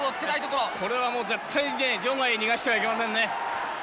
これは絶対に場外に逃がしてはいけませんね。